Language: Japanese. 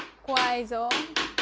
怖いぞ。